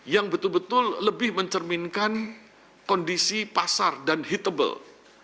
yang betul betul lebih mencerminkan kondisi pasar dan heatable